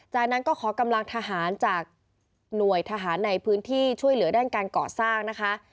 จากนั้นก็ขอกำลังทหารจากหน่วยทหารในพื้นที่ช่วยเหลือด้านการก่อสร้างนะคะ